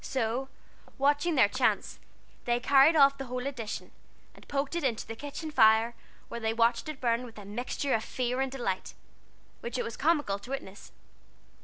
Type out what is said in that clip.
So, watching their chance, they carried off the whole edition, and poked it into the kitchen fire, where they watched it burn with a mixture of fear and delight which it was comical to witness.